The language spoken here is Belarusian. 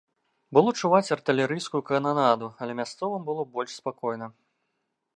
Было чуваць артылерыйскую кананаду, але мясцовым было больш спакойна.